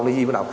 nó đi vào đó